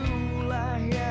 ken aku yakin sekali